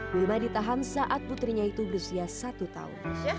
wilma ditahan saat putrinya itu berusia satu tahun